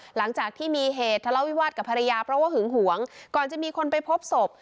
หลังจากที่มีเหตุทะเลาวิวาสกับภรรยาเพราะว่าหึงหวงก่อนจะมีคนไปพบศพ